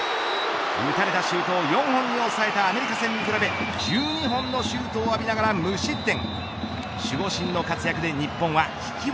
撃たれたシュートを４本に抑えたアメリカ戦に比べ１２本のシュートを浴びながら無失点。